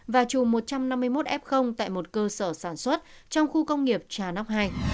và chù một trăm năm mươi một f tại một cơ sở sản xuất trong khu công nghiệp trà nóc hai